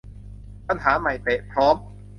ปัญหาใหม่ เตะพร้อม